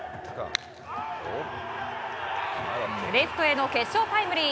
レフトへの決勝タイムリー。